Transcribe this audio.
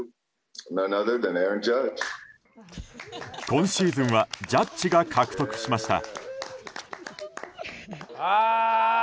今シーズンはジャッジが獲得しました。